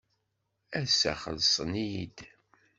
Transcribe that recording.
Ass-a xellsen-iyi-d.